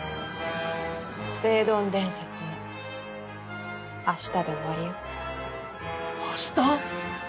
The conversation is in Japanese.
「聖丼伝説も明日で終わりよ」明日！？